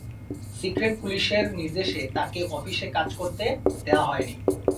Secret পুলিশের নির্দেশে তাকে অফিসে কাজ করতে দেয়া হয়নি।